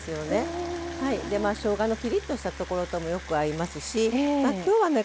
しょうがのピリッとしたところともよく合いますし今日はね